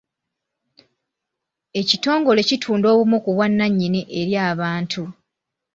Ekitongole kitunda obumu ku bwannannyini eri abantu.